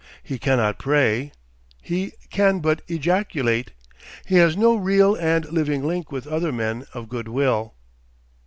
He cannot pray; he can but ejaculate. He has no real and living link with other men of good will.